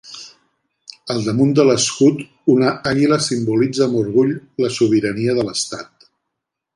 Al damunt de l'escut, una àguila simbolitza amb orgull la sobirania de l'estat.